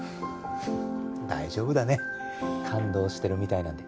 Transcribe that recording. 大丈夫だね感動してるみたいなんで。